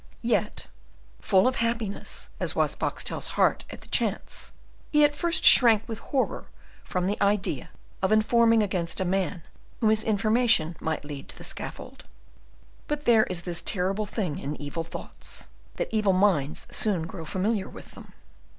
Yet, full of happiness as was Boxtel's heart at the chance, he at first shrank with horror from the idea of informing against a man whom this information might lead to the scaffold. But there is this terrible thing in evil thoughts, that evil minds soon grow familiar with them.